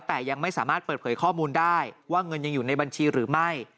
แต่ยังไม่สามารถเปิดเผยข้อมูลได้ว่าเงินยังอยู่ในบัญชีหรือไม่